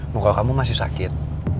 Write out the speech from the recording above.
muka kamu masih sakit